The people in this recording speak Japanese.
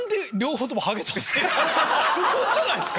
そこじゃないっすか？